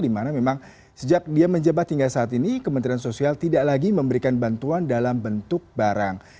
dimana memang sejak dia menjabat hingga saat ini kementerian sosial tidak lagi memberikan bantuan dalam bentuk barang